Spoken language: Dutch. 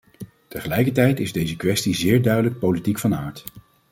Tegelijkertijd is deze kwestie zeer duidelijk politiek van aard.